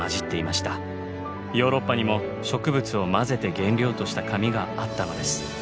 ヨーロッパにも植物を混ぜて原料とした紙があったのです。